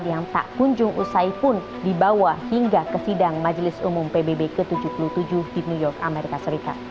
yang tak kunjung usai pun dibawa hingga ke sidang majelis umum pbb ke tujuh puluh tujuh di new york amerika serikat